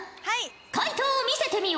回答を見せてみよ。